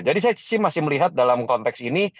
jadi saya masih melihat dalam konteks ini